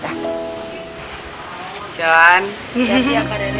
jon jadi apa rere